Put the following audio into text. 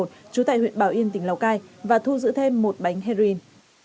trú tại huyện bảo yên tỉnh lào cai và thu giữ thêm một bánh heroin